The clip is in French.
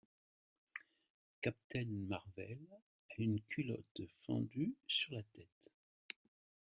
Captain Marvel a une culotte fendue sur la tête.